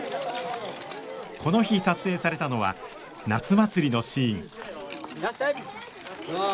この日撮影されたのは夏祭りのシーンわすてきだなあ。